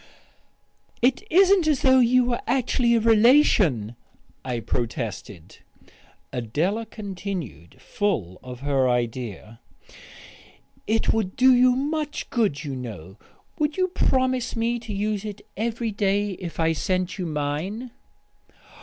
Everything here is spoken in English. "It isn't as though you were actually a relation," I protested. Adela continued, full of her idea. "It would do you so much good, you know. Would you promise me to use it every day if I sent you mine?"